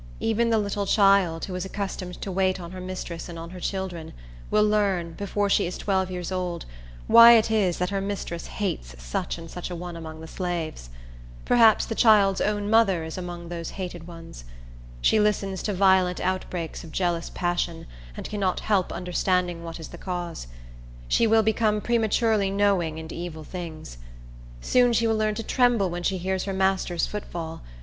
Even the little child, who is accustomed to wait on her mistress and her children, will learn, before she is twelve years old, why it is that her mistress hates such and such a one among the slaves. Perhaps the child's own mother is among those hated ones. She listens to violent outbreaks of jealous passion, and cannot help understanding what is the cause. She will become prematurely knowing in evil things. Soon she will learn to tremble when she hears her master's footfall.